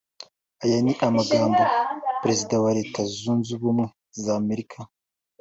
Aya ni amagambo Perezida wa Leta Zunze Ubumwe z’Amerika